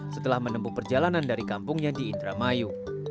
setelah menempuh perjalanan dari kampungnya di indramayu